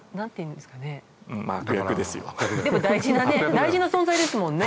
でも大事な存在ですもんね？